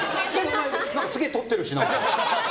何かすげえ撮ってるし。